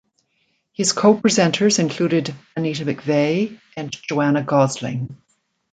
His co-presenters included Anita McVeigh and Joanna Gosling.